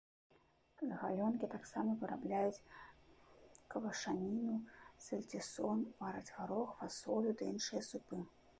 З галёнкі таксама вырабляюць квашаніну, сальцісон, вараць гарох, фасолю ды іншыя супы.